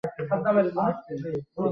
তাকে সবকিছু বলতে হবে।